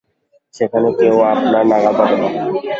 সেখানে কেউ আপনার নাগাল পাবে না।